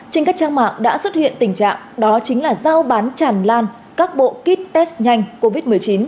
trên các trang mạng đã xuất hiện tình trạng đó chính là giao bán tràn lan các bộ kit test nhanh covid một mươi chín